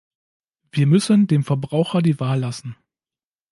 Wir müssen dem Verbraucher die Wahl lassen.